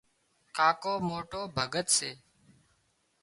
ڪاڪو موٽو ڀڳت سي